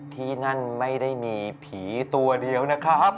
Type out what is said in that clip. ที่นั่นไม่ได้มีผีตัวเดียวนะครับ